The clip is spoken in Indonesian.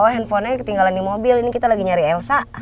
oh handphonenya ketinggalan di mobil ini kita lagi nyari elsa